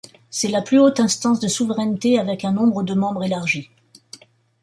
C'est la plus haute instance de souveraineté avec un nombre de membres élargi.